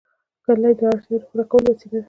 کلي د اړتیاوو د پوره کولو وسیله ده.